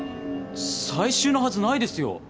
最終のはずないですよ。